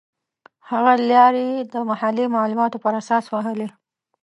هغه لیارې یې د محلي معلوماتو پر اساس وهلې.